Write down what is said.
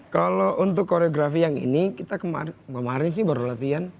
kalau untuk koreografi yang ini kita kemarin sih baru latihan